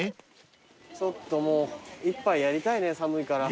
ちょっともう一杯やりたいね寒いから。